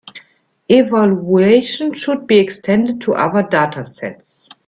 Evaluation should be extended to other datasets.